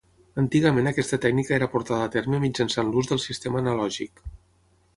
Antigament aquesta tècnica era portada a terme mitjançant l'ús del sistema analògic.